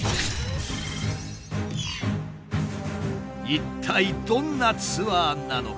一体どんなツアーなのか？